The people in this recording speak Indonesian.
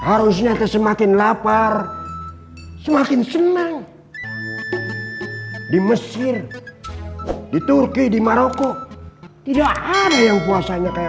harusnya semakin lapar semakin senang di mesir di turki di maroko tidak ada yang puasanya kayak